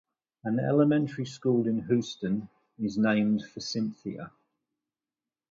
An elementary school in Houston, is named for Cynthia.